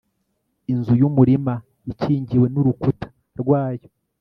Inzu yumurima ikingiwe nurukuta rwayo